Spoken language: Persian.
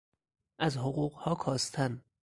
از حقوقها کاستن